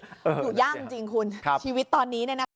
อยู่ยากจริงคุณชีวิตตอนนี้